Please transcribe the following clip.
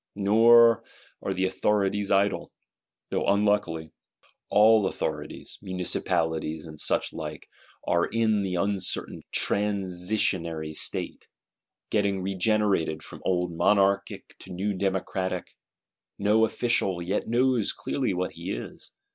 Nor are the authorities idle: though unluckily, all Authorities, Municipalities and such like, are in the uncertain transitionary state; getting regenerated from old Monarchic to new Democratic; no Official yet knows clearly what he is.